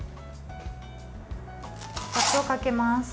ラップをかけます。